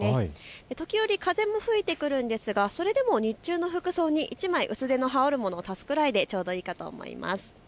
時折、風も吹いてきますがそれでも日中の服装に薄手の羽織るものを足すくらいでちょうどいいかと思います。